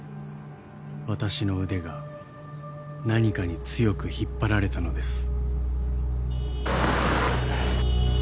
私の腕が何かに強く引っ張られたのです］